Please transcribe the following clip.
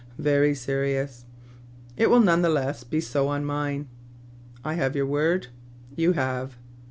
"Very serious." "It will be none the less so on mine." " I have your word }" "You have."